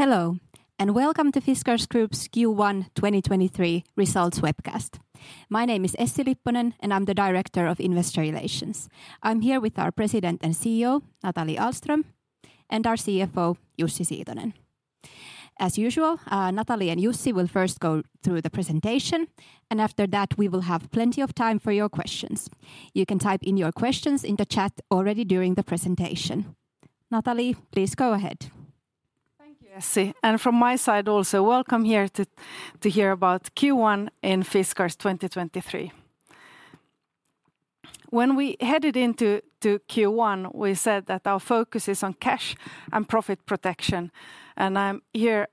Hello, and welcome to Fiskars Group's Q1 2023 Results Webcast. My name is Essi Lipponen, and I'm the Director of Investor Relations. I'm here with our President and CEO, Nathalie Ahlström, and our CFO, Jussi Siitonen. As usual, Nathalie and Jussi will first go through the presentation. After that we will have plenty of time for your questions. You can type in your questions in the chat already during the presentation. Nathalie, please go ahead. Thank you, Essi. From my side also, welcome here to hear about Q1 in Fiskars 2023. When we headed into Q1, we said that our focus is on cash and profit protection, and I'm here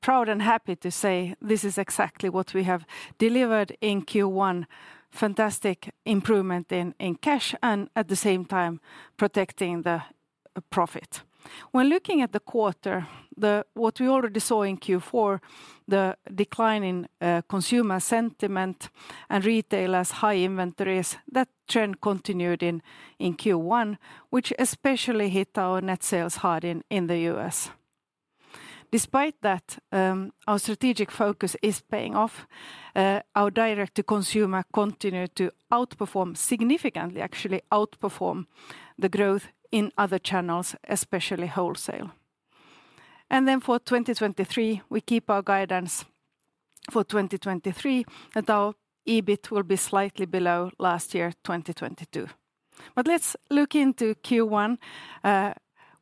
proud and happy to say this is exactly what we have delivered in Q1, fantastic improvement in cash and, at the same time, protecting the profit. When looking at the quarter, what we already saw in Q4, the decline in consumer sentiment and retailers' high inventories, that trend continued in Q1, which especially hit our net sales hard in the U.S. Despite that, our strategic focus is paying off. Our direct-to-consumer continued to outperform significantly, actually, outperform the growth in other channels, especially wholesale. For 2023, we keep our guidance for 2023 that our EBIT will be slightly below last year, 2022. Let's look into Q1,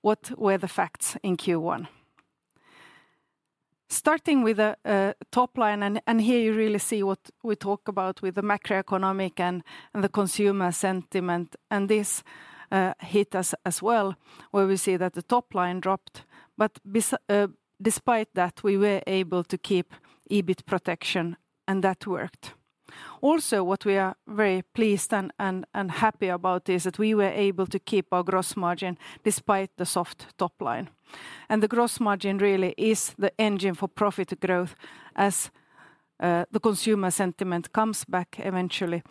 what were the facts in Q1. Starting with the top line, and here you really see what we talk about with the macroeconomic and the consumer sentiment, and this hit us as well, where we see that the top line dropped. Despite that, we were able to keep EBIT protection, and that worked. What we are very pleased and happy about is that we were able to keep our gross margin despite the soft top line. The gross margin really is the engine for profit growth as the consumer sentiment comes back eventually,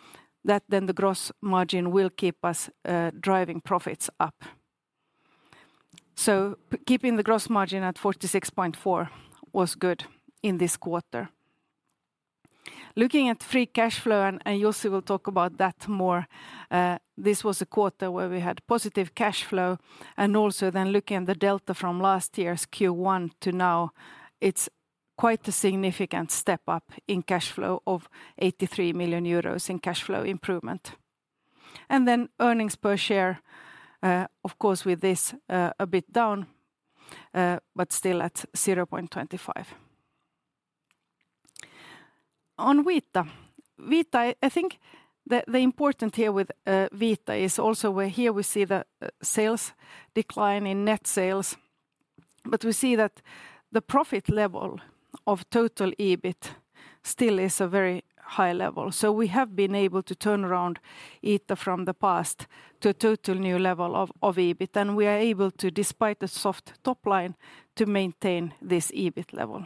that then the gross margin will keep us driving profits up. Keeping the gross margin at 46.4% was good in this quarter. Looking at free cash flow, and Jussi will talk about that more, this was a quarter where we had positive cash flow and also then looking at the delta from last year's Q1 to now, it's quite a significant step up in cash flow of 83 million euros in cash flow improvement. Earnings per share, of course, with this, a bit down, but still at 0.25. On Vita. Vita, I think the important here with Vita is also where here we see the sales decline in net sales, but we see that the profit level of total EBIT still is a very high level. We have been able to turn around Vita from the past to a total new level of EBIT, and we are able to, despite the soft top line, to maintain this EBIT level.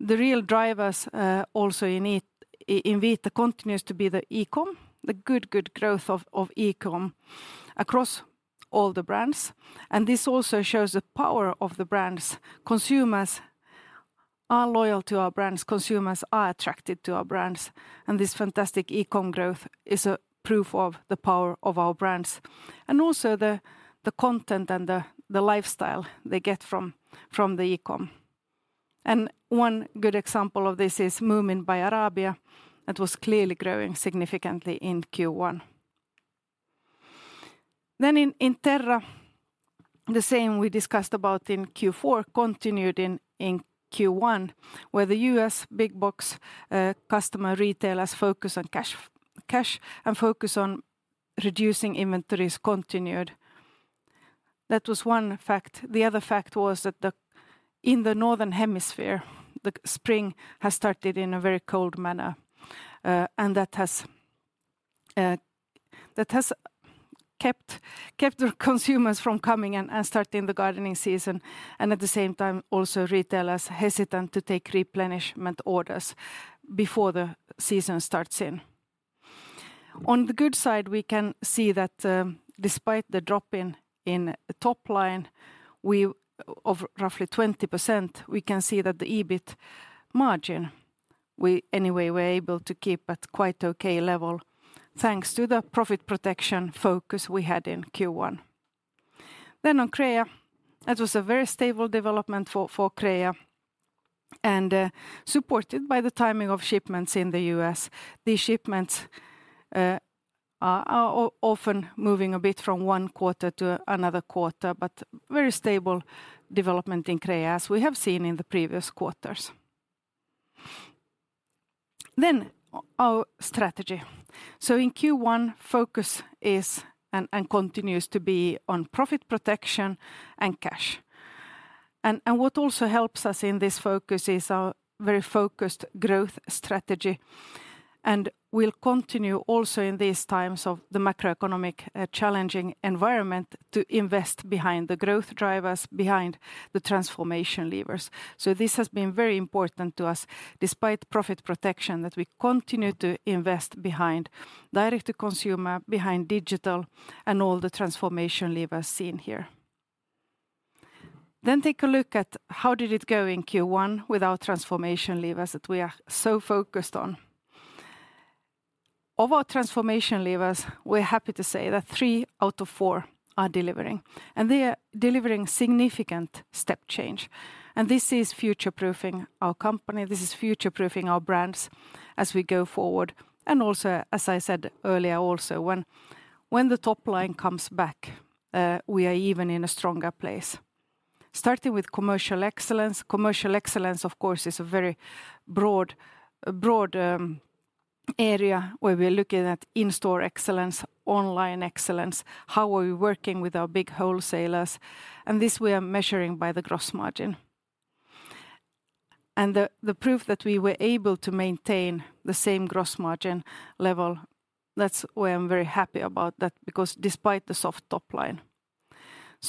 The real drivers also in Vita continues to be the e-com, the good growth of e-com across all the brands, and this also shows the power of the brands. Consumers are loyal to our brands. Consumers are attracted to our brands, and this fantastic e-com growth is a proof of the power of our brands and also the content and the lifestyle they get from the e-com. One good example of this is Moomin by Arabia that was clearly growing significantly in Q1. In Terra, the same we discussed about in Q4 continued in Q1, where the U.S. big box customer retailers focus on cash and focus on reducing inventories continued. That was one fact. The other fact was that in the Northern Hemisphere, the spring has started in a very cold manner, and that has kept the consumers from coming and starting the gardening season and at the same time also retailers hesitant to take replenishment orders before the season starts in. On the good side, we can see that despite the drop in top line of roughly 20%, we can see that the EBIT margin we anyway were able to keep at quite okay level thanks to the profit protection focus we had in Q1. On Crea, that was a very stable development for Crea and supported by the timing of shipments in the U.S. These shipments are often moving a bit from one quarter to another quarter, but very stable development in Crea as we have seen in the previous quarters. Our strategy. In Q1, focus is and continues to be on profit protection and cash. What also helps us in this focus is our very focused growth strategy, and we'll continue also in these times of the macroeconomic challenging environment to invest behind the growth drivers, behind the transformation levers. This has been very important to us, despite profit protection, that we continue to invest behind direct-to-consumer, behind digital, and all the transformation levers seen here. Then take a look at how did it go in Q1 with our transformation levers that we are so focused on. Of our transformation levers, we're happy to say that three out of four are delivering, and they are delivering significant step change. This is future-proofing our company. This is future-proofing our brands as we go forward. Also, as I said earlier also, when the top line comes back, we are even in a stronger place. Starting with commercial excellence, commercial excellence, of course, is a very broad area where we are looking at in-store excellence, online excellence, how are we working with our big wholesalers, and this we are measuring by the gross margin. The proof that we were able to maintain the same gross margin level, that's why I'm very happy about that because despite the soft top line.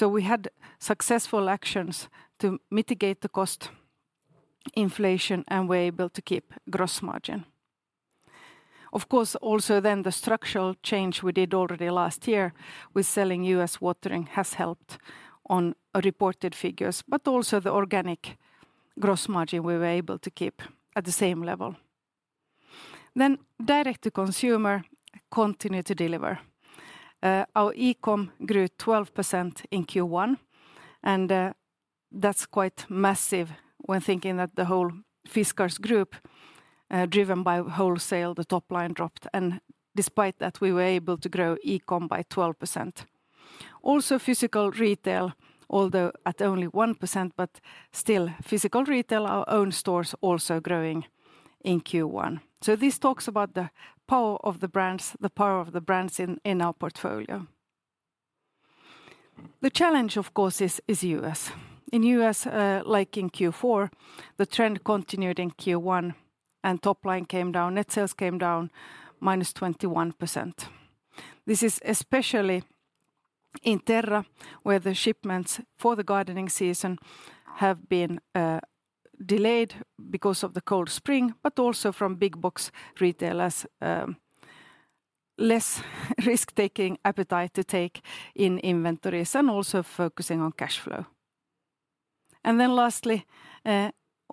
We had successful actions to mitigate the cost inflation, and we're able to keep gross margin. Of course, also the structural change we did already last year with selling U.S. Watering has helped on reported figures, but also the organic gross margin we were able to keep at the same level. Direct-to-consumer continued to deliver. our e-com grew 12% in Q1, and that's quite massive when thinking that the whole Fiskars Group, driven by wholesale, the top line dropped, and despite that we were able to grow e-com by 12%. Also physical retail, although at only 1%, but still physical retail, our own stores also growing in Q1. This talks about the power of the brands, the power of the brands in our portfolio. The challenge, of course, is U.S. In U.S., like in Q4, the trend continued in Q1 and top line came down, net sales came down minus 21%. This is especially in Terra, where the shipments for the gardening season have been delayed because of the cold spring, but also from big box retailers, less risk-taking appetite to take in inventories and also focusing on cash flow. Lastly,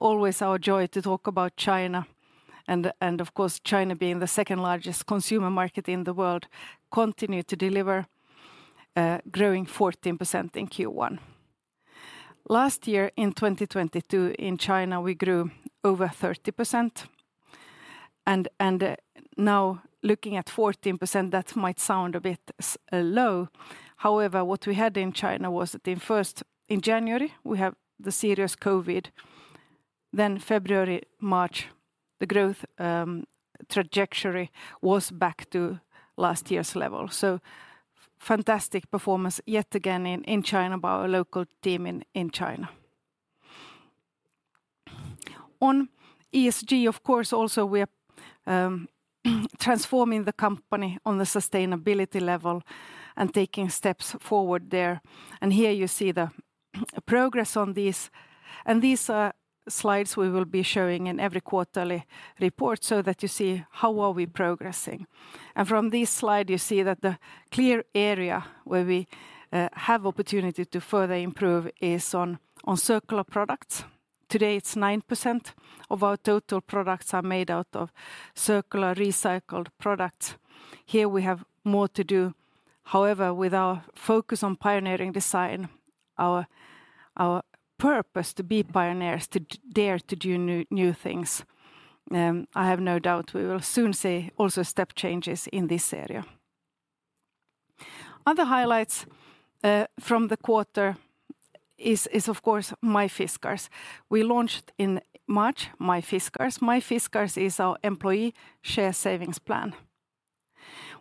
always our joy to talk about China and of course, China being the second-largest consumer market in the world continued to deliver, growing 14% in Q1. Last year in 2022 in China, we grew over 30% and now looking at 14%, that might sound a bit low. What we had in China was that in January, we have the serious COVID. February, March, the growth trajectory was back to last year's level. Fantastic performance yet again in China by our local team in China. On ESG, of course, also we are transforming the company on the sustainability level and taking steps forward there. Here you see the progress on this. These slides we will be showing in every quarterly report so that you see how are we progressing. From this slide, you see that the clear area where we have opportunity to further improve is on circular products. Today, it's 9% of our total products are made out of circular recycled products. Here we have more to do. However, with our focus on pioneering design, our purpose to be pioneers, to dare to do new things, I have no doubt we will soon see also step changes in this area. Other highlights from the quarter is of course MyFiskars. We launched in March MyFiskars. MyFiskars is our employee share savings plan.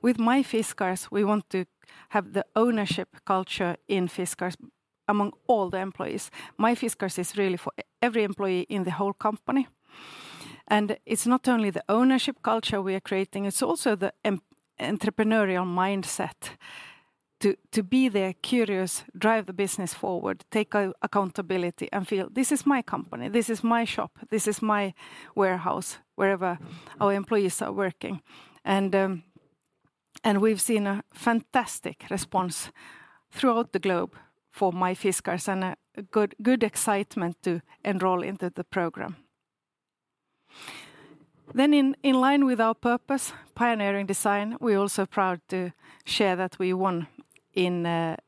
With MyFiskars, we want to have the ownership culture in Fiskars among all the employees. MyFiskars is really for every employee in the whole company. It's not only the ownership culture we are creating, it's also the entrepreneurial mindset to be there, curious, drive the business forward, take accountability and feel this is my company, this is my shop, this is my warehouse, wherever our employees are working. We've seen a fantastic response throughout the globe for MyFiskars and a good excitement to enroll into the program. In line with our purpose, pioneering design, we're also proud to share that we won in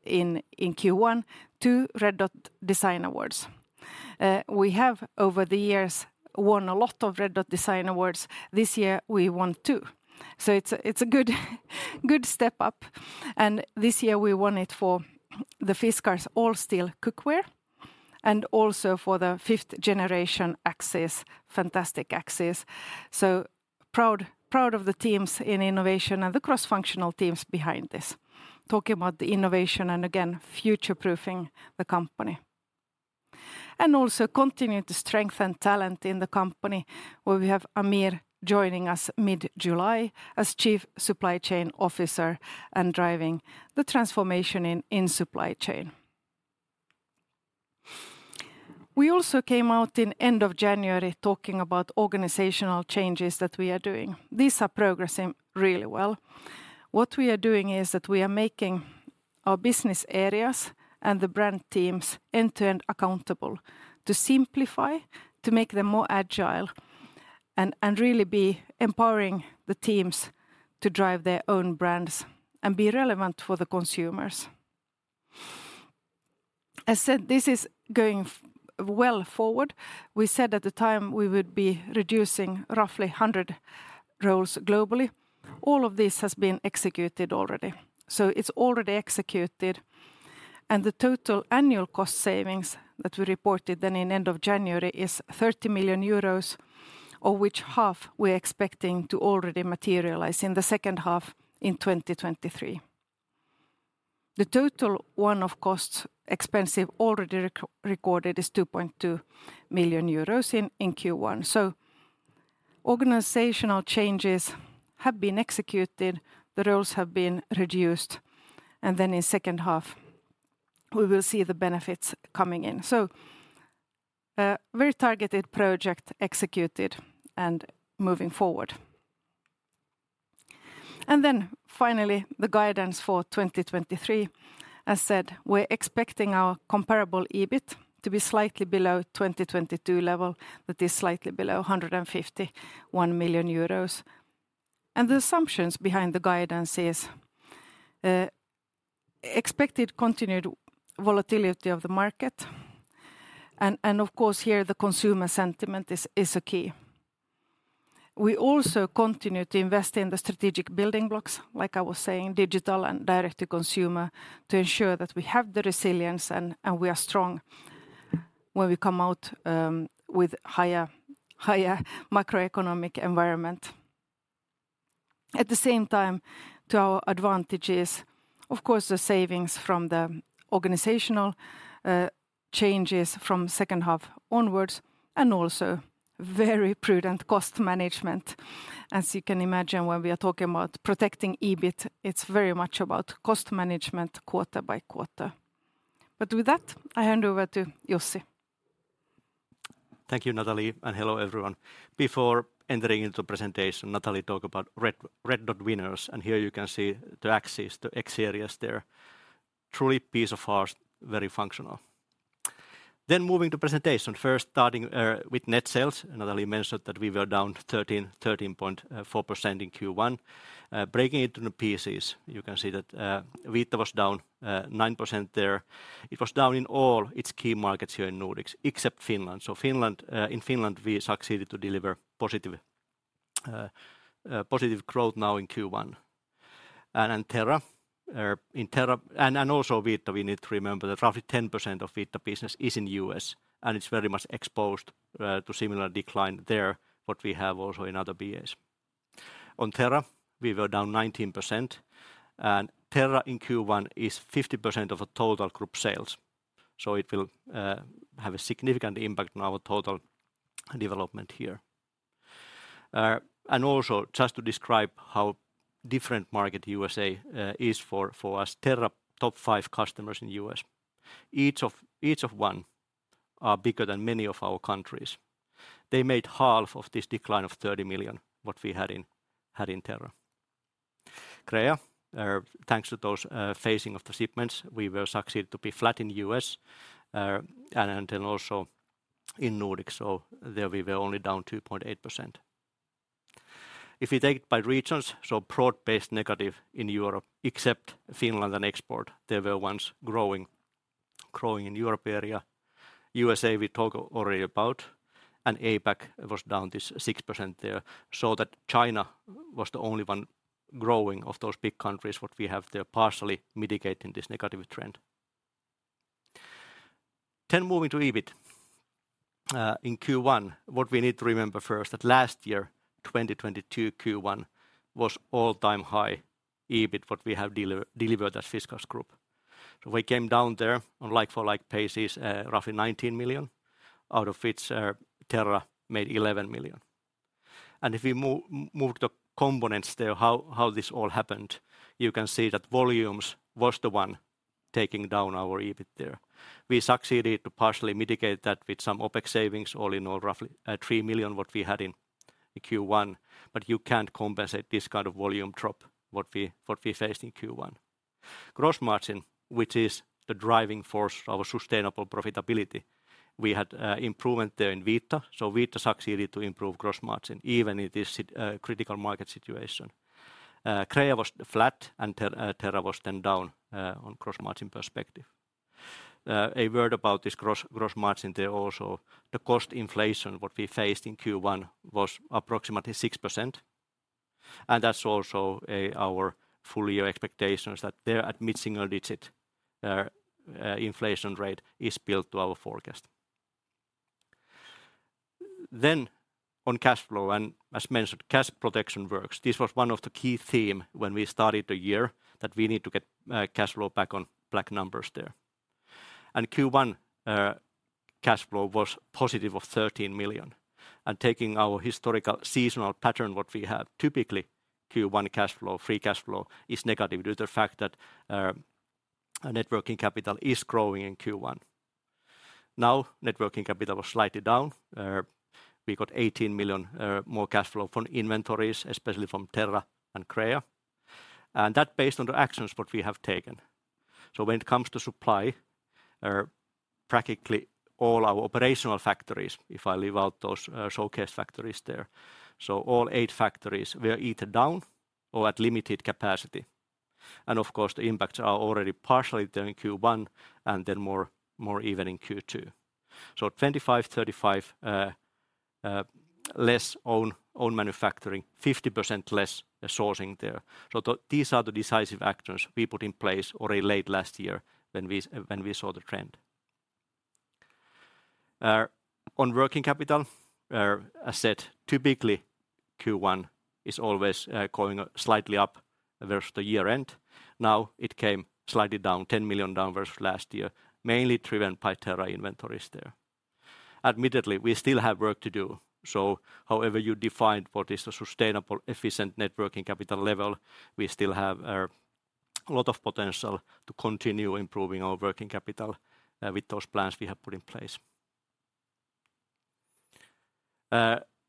Q1 2 Red Dot design awards. We have over the years won a lot of Red Dot design awards. This year we won 2. It's a good step up. This year we won it for the Fiskars All Steel cookware and also for the fifth-generation X-series axes, fantastic X-series axes. Proud of the teams in innovation and the cross-functional teams behind this. Talking about the innovation and again, future-proofing the company. Also continue to strengthen talent in the company, where we have Aamir joining us mid-July as Chief Supply Chain Officer and driving the transformation in supply chain. We also came out in end of January talking about organizational changes that we are doing. These are progressing really well. What we are doing is that we are making our business areas and the brand teams end-to-end accountable to simplify, to make them more agile and really be empowering the teams to drive their own brands and be relevant for the consumers. I said this is going well forward. We said at the time we would be reducing roughly 100 roles globally. All of this has been executed already. It's already executed, and the total annual cost savings that we reported then in end of January is 30 million euros, of which half we're expecting to already materialize in the second half in 2023. The total one-off costs expensive already recorded is 2.2 million euros in Q1. Organizational changes have been executed, the roles have been reduced, in second half we will see the benefits coming in. Very targeted project executed and moving forward. Finally, the guidance for 2023. I said we're expecting our comparable EBIT to be slightly below 2022 level. That is slightly below 151 million euros. The assumptions behind the guidance is expected continued volatility of the market and of course, here the consumer sentiment is a key. We also continue to invest in the strategic building blocks, like I was saying, digital and direct-to-consumer, to ensure that we have the resilience and we are strong when we come out with higher macroeconomic environment. At the same time, to our advantages, of course, the savings from the organizational changes from second half onwards and also very prudent cost management. As you can imagine, when we are talking about protecting EBIT, it's very much about cost management quarter by quarter. With that, I hand over to Jussi. Thank you, Nathalie, and hello, everyone. Before entering into presentation, Nathalie talked about Red Dot winners, and here you can see the axes, the X-series there. Truly piece of art, very functional. Moving to presentation first starting with net sales. Nathalie mentioned that we were down 13 point 4% in Q1. Breaking it into pieces, you can see that Vita was down 9% there. It was down in all its key markets here in Nordics except Finland. Finland, in Finland, we succeeded to deliver positive growth now in Q1. Terra, in Terra and also Vita we need to remember that roughly 10% of Vita business is in U.S., and it's very much exposed to similar decline there, what we have also in other BAs. On Terra, we were down 19%. Terra in Q1 is 50% of a total group sales. It will have a significant impact on our total development here. Also just to describe how different market U.S. is for us. Terra top 5 customers in U.S. Each of one are bigger than many of our countries. They made half of this decline of 30 million, what we had in Terra. Crea, thanks to those phasing of the shipments, we will succeed to be flat in U.S., also in Nordics. There we were only down 2.8%. If you take it by regions, broad-based negative in Europe, except Finland and export. They were ones growing in Europe area. USA, we talked already about. APAC was down this 6% there. China was the only one growing of those big countries what we have there, partially mitigating this negative trend. Moving to EBIT. In Q1, what we need to remember first that last year, 2022 Q1, was all-time high EBIT, what we have delivered as Fiskars Group. We came down there on like-for-like basis, roughly 19 million, out of which Terra made 11 million. If we move the components there, how this all happened, you can see that volumes was the one taking down our EBIT there. We succeeded to partially mitigate that with some OPEX savings, all in all roughly 3 million what we had in Q1. You can't compensate this kind of volume drop, what we faced in Q1. Gross margin, which is the driving force of our sustainable profitability, we had improvement there in Vita. Vita succeeded to improve gross margin even in this critical market situation. Crea was flat and Terra was down on gross margin perspective. A word about this gross margin there also. The cost inflation, what we faced in Q1, was approximately 6%, and that's also our full-year expectations that they're at mid-single digit. Inflation rate is built to our forecast. On cash flow, and as mentioned, cash protection works. This was one of the key theme when we started the year that we need to get cash flow back on black numbers there. Q1 cash flow was positive of 13 million. Taking our historical seasonal pattern, what we have typically, Q1 cash flow, free cash flow is negative due to the fact that net working capital is growing in Q1. Net working capital was slightly down. We got 18 million more cash flow from inventories, especially from Terra and Crea. That based on the actions what we have taken. When it comes to supply, practically all our operational factories, if I leave out those showcase factories there, all eight factories were either down or at limited capacity. Of course, the impacts are already partially there in Q1 and then more even in Q2. 25%-35% less own manufacturing, 50% less sourcing there. These are the decisive actions we put in place already late last year when we saw the trend. On working capital asset, typically Q1 is always going slightly up versus the year-end. It came slightly down, 10 million down versus last year, mainly driven by Terra inventories there. Admittedly, we still have work to do, however you define what is a sustainable, efficient net working capital level, we still have a lot of potential to continue improving our working capital with those plans we have put in place.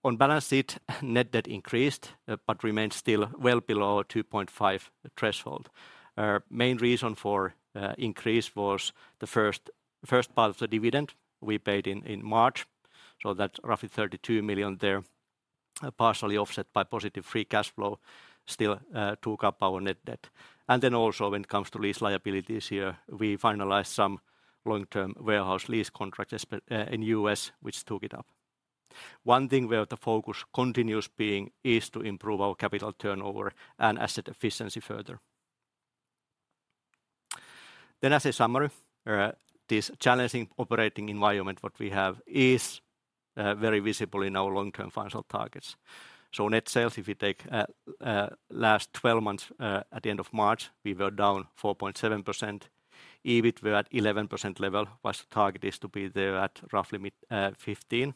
On balance sheet, net debt increased, remains still well below 2.5 threshold. Our main reason for increase was the first part of the dividend we paid in March, that's roughly 32 million there, partially offset by positive free cash flow, still took up our net debt. When it comes to lease liabilities here, we finalized some long-term warehouse lease contracts in US which took it up. One thing where the focus continues being is to improve our capital turnover and asset efficiency further. As a summary, this challenging operating environment what we have is very visible in our long-term financial targets. Net sales, if you take last 12 months, at the end of March, we were down 4.4%. EBIT were at 11% level whilst the target is to be there at roughly mid-15.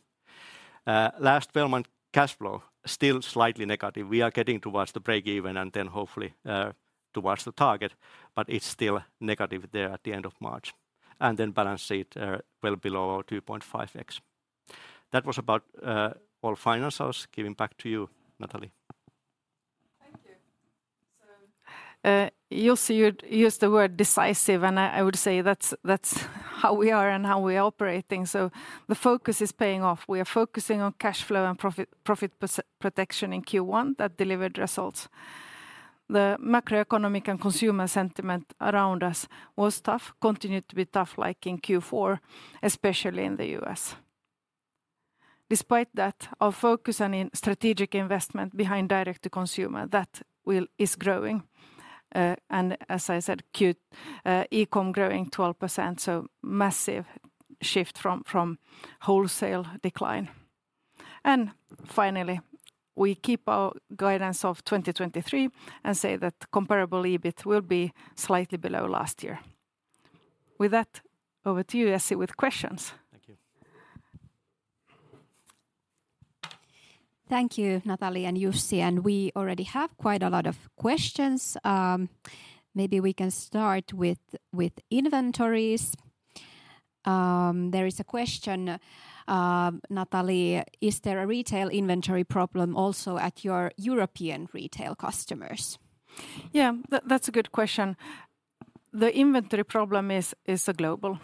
Last 12-month cash flow still slightly negative. We are getting towards the break even and then hopefully towards the target, but it's still negative there at the end of March. Balance sheet, well below 2.5x. That was about all financials. Giving back to you, Nathalie. Thank you. Jussi, you used the word decisive, and I would say that's how we are and how we are operating, so the focus is paying off. We are focusing on cash flow and profit protection in Q1. That delivered results. The macroeconomic and consumer sentiment around us was tough, continued to be tough like in Q4, especially in the U.S. Despite that, our focus and in strategic investment behind direct-to-consumer is growing. As I said, eCom growing 12%, so massive shift from wholesale decline. Finally, we keep our guidance of 2023 and say that comparable EBIT will be slightly below last year. With that, over to you, Essi, with questions. Thank you. Thank you, Nathalie and Jussi, we already have quite a lot of questions. Maybe we can start with inventories. There is a question, Nathalie, is there a retail inventory problem also at your European retail customers? That's a good question. The inventory problem is global.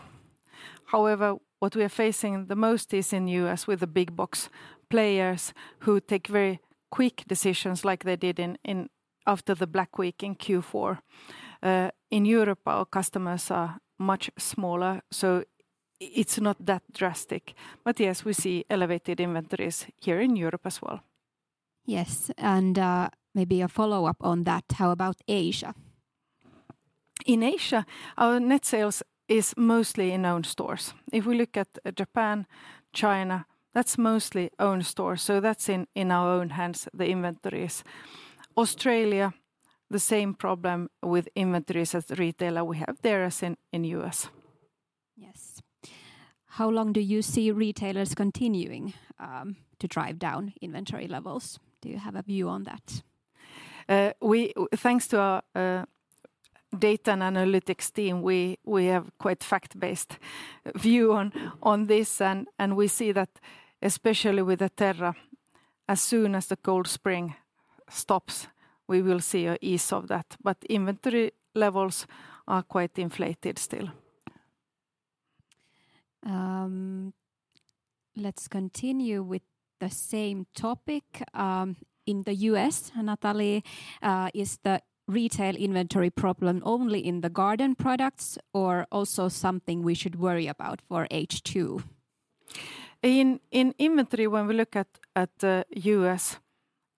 However, what we are facing the most is in U.S. with the big box players who take very quick decisions like they did after the Black Week in Q4. In Europe our customers are much smaller, so it's not that drastic. Yes, we see elevated inventories here in Europe as well. Yes. Maybe a follow-up on that. How about Asia? In Asia our net sales is mostly in own stores. If we look at Japan, China, that's mostly own stores, so that's in our own hands, the inventories. Australia, the same problem with inventories as retailer we have there as in U.S. Yes. How long do you see retailers continuing to drive down inventory levels? Do you have a view on that? Thanks to our data and analytics team, we have quite fact-based view on this, and we see that especially with the Terra, as soon as the cold spring stops, we will see a ease of that. Inventory levels are quite inflated still. Let's continue with the same topic, in the U.S. Nathalie, is the retail inventory problem only in the garden products or also something we should worry about for H2? In inventory when we look at U.S.,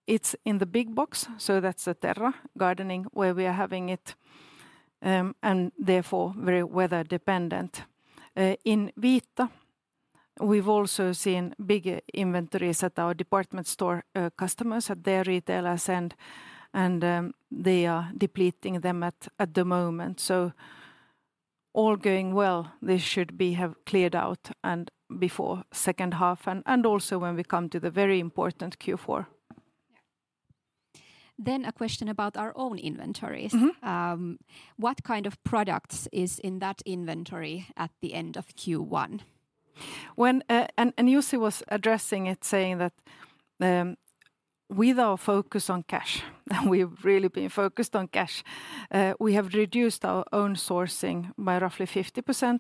it's in the big box, so that's the Terra gardening where we are having it, and therefore very weather dependent. In Vita we've also seen big inventories at our department store customers, at their retailers and they are depleting them at the moment. All going well, this should be have cleared out before second half and also when we come to the very important Q4. A question about our own inventories. Mm-hmm. What kind of products is in that inventory at the end of Q1? When Jussi was addressing it saying that, with our focus on cash, we've really been focused on cash. We have reduced our own sourcing by roughly 50%.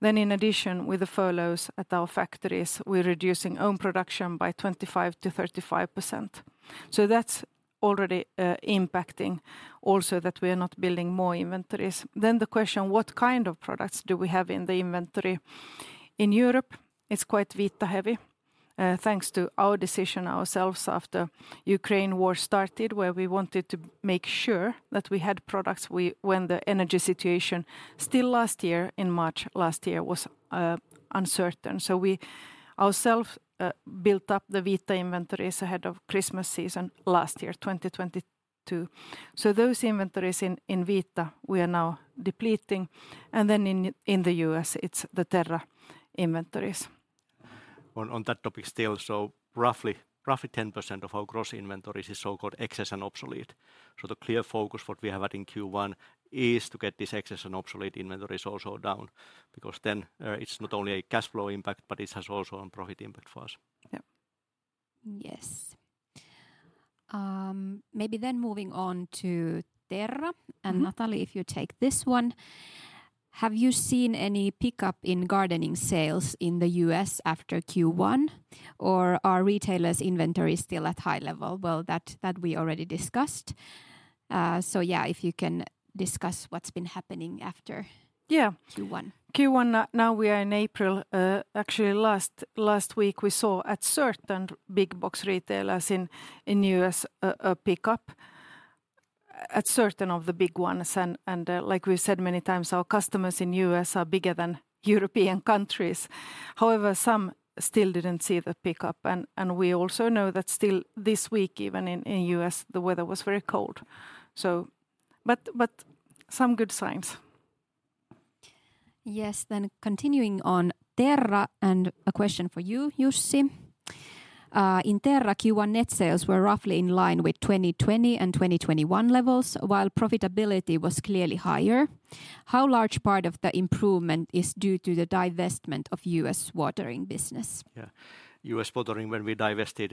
In addition, with the furloughs at our factories, we're reducing own production by 25% to 35%. That's already impacting also that we're not building more inventories. The question, what kind of products do we have in the inventory? In Europe, it's quite Vita heavy, thanks to our decision ourselves after Ukraine war started where we wanted to make sure that we had products when the energy situation, still last year in March last year, was uncertain. We ourselves built up the Vita inventories ahead of Christmas season last year, 2022. Those inventories in Vita we are now depleting. In the U.S., it's the Terra inventories. On that topic still, roughly 10% of our gross inventories is so-called excess and obsolete. The clear focus what we have had in Q1 is to get this excess and obsolete inventories also down because then, it's not only a cash flow impact, but it has also a profit impact for us. Yep. Yes. Maybe moving on to Terra. Mm-hmm. Nathalie, if you take this one, have you seen any pickup in gardening sales in the U.S. after Q1, or are retailers' inventory still at high level? That we already discussed. If you can discuss what's been happening. Yeah... Q1. Now we are in April. Actually last week we saw at certain big box retailers in US a pickup, at certain of the big ones. Like we've said many times, our customers in US are bigger than European countries. However, some still didn't see the pickup. We also know that still this week even in US the weather was very cold, so. Some good signs. Yes. Continuing on Terra, a question for you, Jussi. In Terra Q1 net sales were roughly in line with 2020 and 2021 levels while profitability was clearly higher. How large part of the improvement is due to the divestment of North American Watering Business? Yeah. US Watering when we divested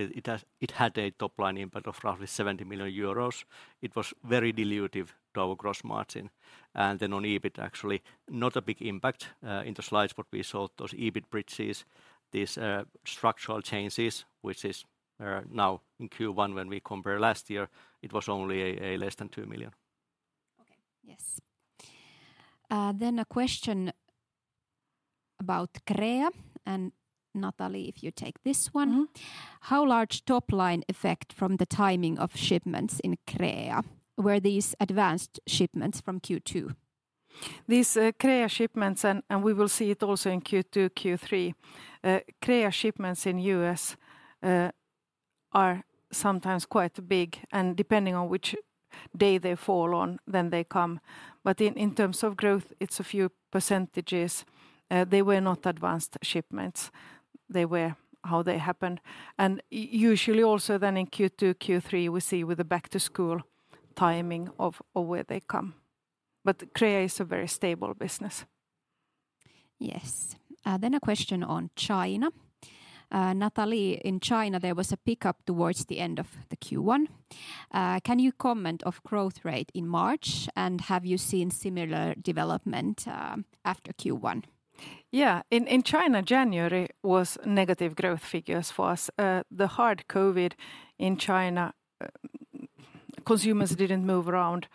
it had a top line impact of roughly 70 million euros. It was very dilutive to our gross margin. Then on EBIT actually, not a big impact, in the slides what we saw those EBIT bridges, these structural changes, which is now in Q1 when we compare last year, it was only a less than 2 million. Okay. Yes. Then a question about Crea. Nathalie, if you take this one. Mm-hmm. How large top line effect from the timing of shipments in Crea were these advanced shipments from Q2? These Crea shipments, and we will see it also in Q2, Q3, Crea shipments in US are sometimes quite big, and depending on which day they fall on, then they come. In terms of growth, it's a few %. They were not advanced shipments. They were how they happened. Usually also then in Q2, Q3, we see with the back to school timing of where they come. Crea is a very stable business. Yes. A question on China. Nathalie, in China, there was a pickup towards the end of the Q1. Can you comment of growth rate in March, and have you seen similar development after Q1? Yeah. In China, January was negative growth figures for us. The hard COVID in China, consumers didn't move around.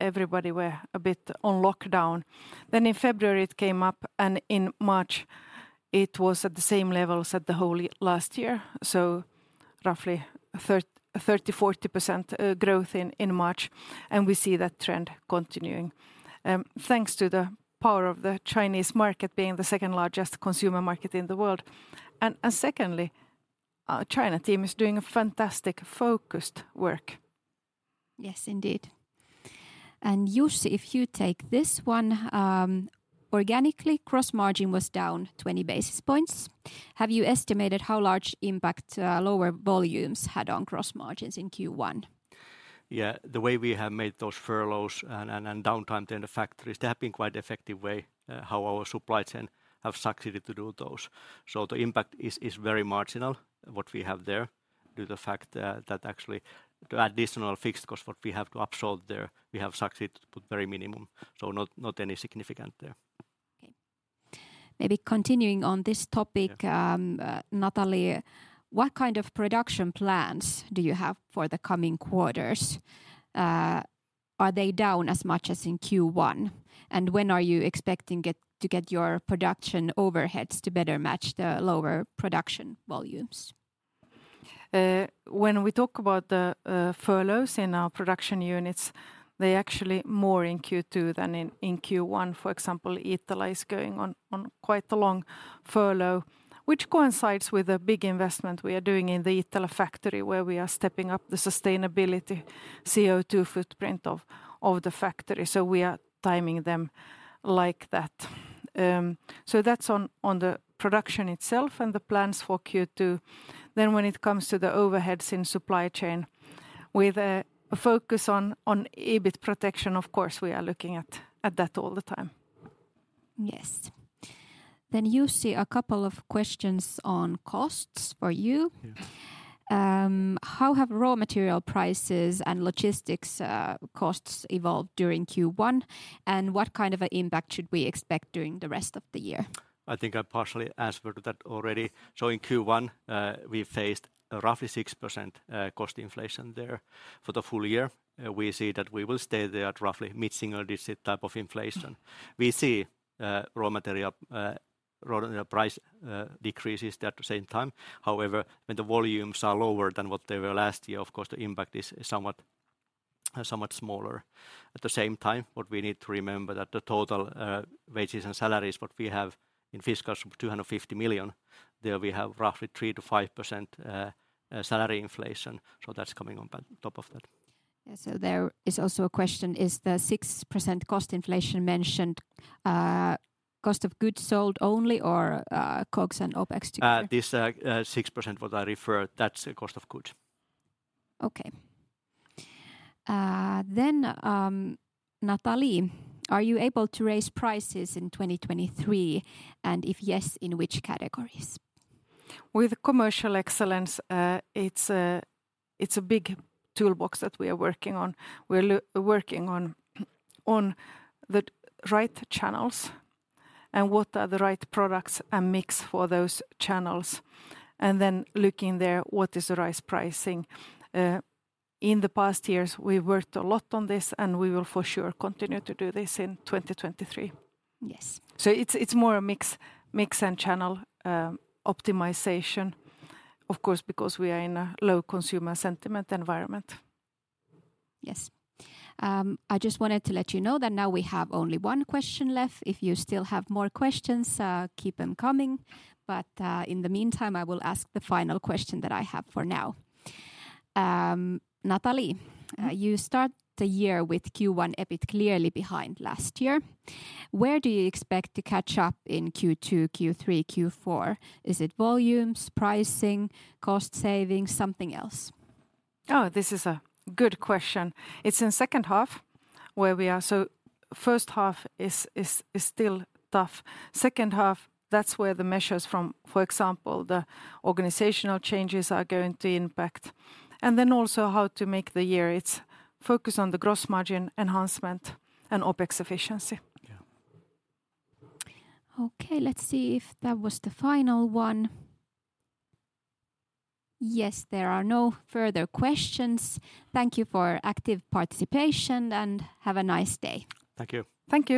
Everybody were a bit on lockdown. In February, it came up. In March, it was at the same levels at the whole last year, so roughly 30-40% growth in March. We see that trend continuing thanks to the power of the Chinese market being the second-largest consumer market in the world. Secondly, our China team is doing a fantastic focused work. Yes, indeed. Jussi, if you take this one. Organically, gross margin was down 20 basis points. Have you estimated how large impact, lower volumes had on gross margins in Q1? The way we have made those furloughs and downtime in the factories, they have been quite effective way how our supply chain have succeeded to do those. The impact is very marginal what we have there due to the fact that actually the additional fixed cost what we have to absorb there, we have succeeded to put very minimum, not any significant there. Okay. Maybe continuing on this topic. Yeah... Nathalie, what kind of production plans do you have for the coming quarters? Are they down as much as in Q1? When are you expecting to get your production overheads to better match the lower production volumes? When we talk about the furloughs in our production units, they're actually more in Q2 than in Q1. For example, Iittala is going on quite a long furlough, which coincides with a big investment we are doing in the Iittala factory where we are stepping up the sustainability CO2 footprint of the factory, so we are timing them like that. So that's on the production itself and the plans for Q2. When it comes to the overheads in supply chain, with a focus on EBIT protection, of course we are looking at that all the time. Yes. Jussi, a couple of questions on costs for you. Yeah. How have raw material prices and logistics costs evolved during Q1, and what kind of a impact should we expect during the rest of the year? I think I partially answered that already. In Q1, we faced roughly 6% cost inflation there. For the full year, we see that we will stay there at roughly mid-single digit type of inflation. Mm. We see raw material price decreases there at the same time. However, when the volumes are lower than what they were last year, of course the impact is somewhat smaller. At the same time, what we need to remember that the total wages and salaries what we have in Fiskars is 250 million. There we have roughly 3%-5% salary inflation. That's coming on top of that. Yeah, there is also a question, is the 6% cost inflation mentioned cost of goods sold only or COGS and OPEX together? This 6% what I referred, that's the cost of goods. Okay. Nathalie Ahlström, are you able to raise prices in 2023, and if yes, in which categories? With commercial excellence, it's a big toolbox that we are working on. We're working on the right channels and what are the right products and mix for those channels. Looking there what is the right pricing. In the past years we've worked a lot on this and we will for sure continue to do this in 2023. Yes. It's more a mix and channel optimization, of course because we are in a low consumer sentiment environment. Yes. I just wanted to let you know that now we have only one question left. If you still have more questions, keep them coming, in the meantime I will ask the final question that I have for now. Nathalie, you start the year with Q1 EBIT clearly behind last year. Where do you expect to catch up in Q2, Q3, Q4? Is it volumes, pricing, cost savings, something else? Oh, this is a good question. It's in second half where we are... First half is still tough. Second half, that's where the measures from, for example, the organizational changes are going to impact. How to make the year, it's focus on the gross margin enhancement and OPEX efficiency. Yeah. Okay, let's see if that was the final one. Yes, there are no further questions. Thank you for active participation, and have a nice day. Thank you. Thank you.